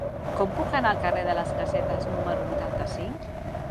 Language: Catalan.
Com puc anar al carrer de les Casetes número vuitanta-cinc?